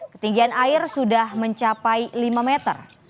ketinggian air sudah mencapai lima meter